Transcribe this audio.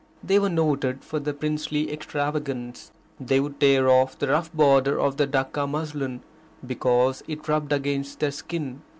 They were noted for their princely extravagance. They would tear off the rough border of their Dacca muslin, because it rubbed against their skin.